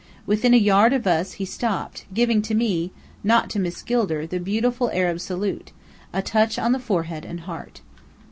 Within a yard of us he stopped, giving to me, not to Miss Gilder, the beautiful Arab salute, a touch on forehead and heart.